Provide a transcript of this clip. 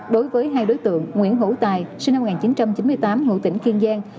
đối với hai đối tượng nguyễn hữu tài sinh năm một nghìn chín trăm chín mươi tám ngụ tỉnh kiên giang